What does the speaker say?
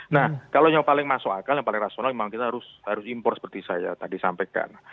nah kalau yang paling masuk akal yang paling rasional memang kita harus impor seperti saya tadi sampaikan